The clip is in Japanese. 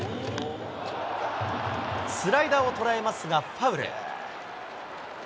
スライダーを捉えますがファウル。